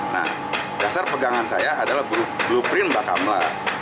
nah dasar pegangan saya adalah blueprint bakamla